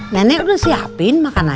nenek udah siapin makanannya